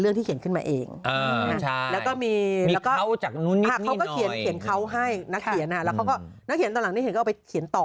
เขียนเขาให้นักเขียนแล้วก็นักเขียนตอนหลังนี้เขาก็เอาไปเขียนต่อ